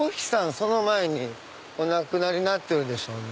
その前にお亡くなりになってるでしょうね。